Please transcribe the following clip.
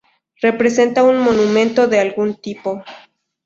Representa un monumento de algún tipo.